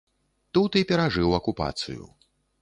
Тут і перажыў акупацыю.